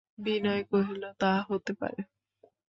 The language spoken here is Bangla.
বিনয় কহিল, তা হতে পারে।